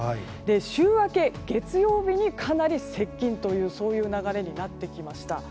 週明け、月曜日にかなり接近という流れになってきました。